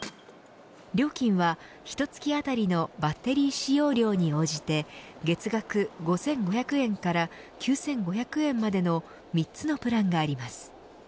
料金は、ひと月あたりのバッテリー使用量に応じて月額５５００円から９５００円までの３つのプランがあります。